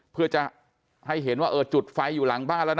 เพื่อจะให้เห็นว่าเออจุดไฟอยู่หลังบ้านแล้วนะ